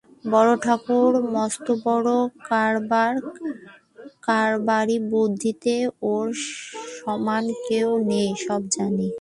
বড়োঠাকুরের মস্তবড়ো কারবার, কারবারি বুদ্ধিতে ওঁর সমান কেউ নেই, সব জানি।